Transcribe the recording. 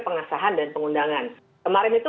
pengesahan dan pengundangan kemarin itu